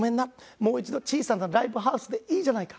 もう一度小さなライブハウスでいいじゃないか。